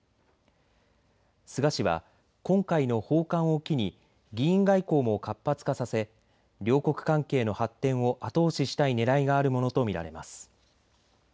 菅氏は今回の訪韓を機に議員外交も活発化させ両国関係の発展を後押ししたいねらいがあるものと見られます。